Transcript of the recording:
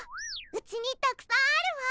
うちにたくさんあるわ！